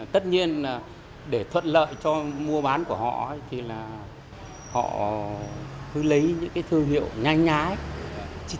tất nhiên là để thuận lợi cho mua bán của họ thì là họ cứ lấy những thương hiệu nhanh nhái